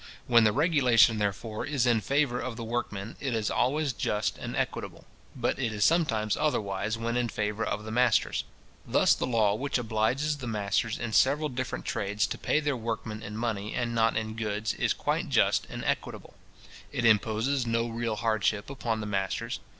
When the regulation, therefore, is in favour of the workmen, it is always just and equitable; but it is sometimes otherwise when in favour of the masters. Thus the law which obliges the masters in several different trades to pay their workmen in money, and not in goods, is quite just and equitable. It imposes no real hardship upon the masters.